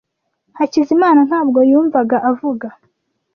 Hakizimana ntabwo yumvaga avuga.